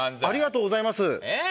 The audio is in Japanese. ありがとうございます。